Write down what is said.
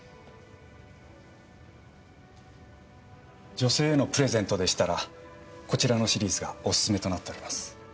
女性へのプレゼントでしたらこちらのシリーズがお薦めとなっております。